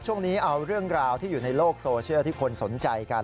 ช่วงนี้เอาเรื่องราวที่อยู่ในโลกโซเชียลที่คนสนใจกัน